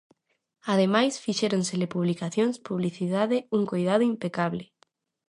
Ademais, fixéronselle publicacións, publicidade, un coidado impecable...